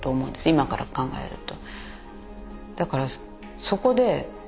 今から考えると。